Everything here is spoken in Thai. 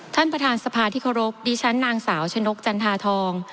ท่านประธานสภาที่เคารพดิฉันนางสาวชนกจันทาทอง